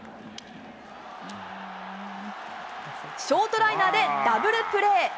ショートライナーでダブルプレー。